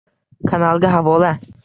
Kanalga havola: